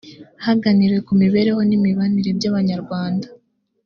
haganiriwe ku mibereho n imibanire by abanyarwanda